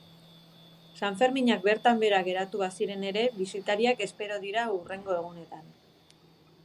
Sanferminak bertan behera geratu baziren ere, bisitariak espero dira hurrengo egunetan.